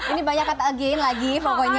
ini banyak kata lagi lagi pokoknya ya